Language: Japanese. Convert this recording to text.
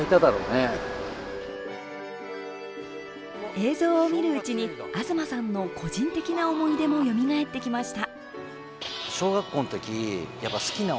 映像を見るうちに東さんの個人的な思い出もよみがえってきました。